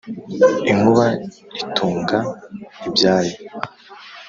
inkuba itunga ibyayo